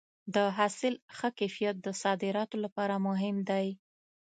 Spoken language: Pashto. د حاصل ښه کیفیت د صادراتو لپاره مهم دی.